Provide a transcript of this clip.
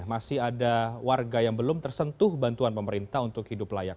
masih ada warga yang belum tersentuh bantuan pemerintah untuk hidup layak